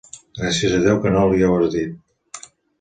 Gràcies a Déu que no li ho has dit!